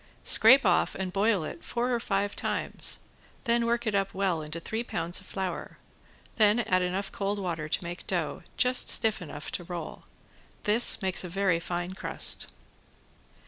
Scrape off and boil it four or five times; then work it up well into three pounds of flour, then add enough cold water to make dough, just stiff enough to roll. This makes a very fine crust.